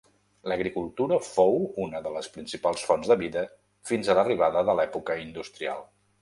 L'agricultura fou una de les principals fonts de vida fins a l'arribada de l'època industrial.